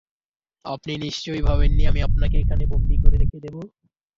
আপনি নিশ্চয়ই ভাবেননি আমি আপনাকে এখানে বন্দী করে রেখে দেব!